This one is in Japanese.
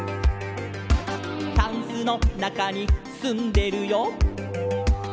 「タンスのなかにすんでるよ」